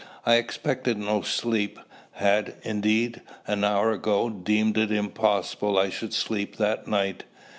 I expected no sleep; had, indeed, an hour ago, deemed it impossible I should sleep that night.